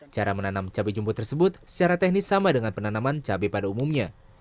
cara menanam cabai jumbo tersebut secara teknis sama dengan penanaman cabai pada umumnya